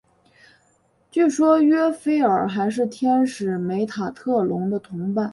据说约斐尔还是天使梅塔特隆的同伴。